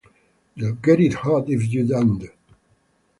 You'll get it hot, if you don't.